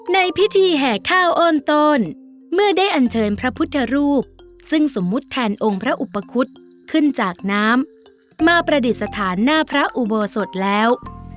ในพิธีแห่ข้าวโอนโตนเมื่อได้อันเชิญพระพุทธรูปซึ่งสมมุติแทนองค์พระอุปคุฎขึ้นจากน้ำมาประดิษฐานหน้าพระอุโบสถแล้ว